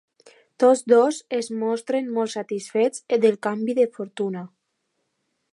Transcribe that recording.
Tots dos es mostren molt satisfets del canvi de fortuna.